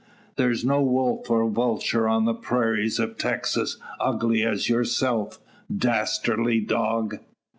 "There's no wolf or vulture on the prairies of Texas ugly as yourself. Dastardly dog!"